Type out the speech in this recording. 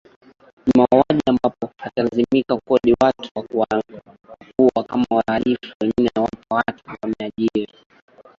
ni mauaji ambapo atalazimika kukodi watu wa kuuaKama wahalifu wengine wapo watu wamejiajiri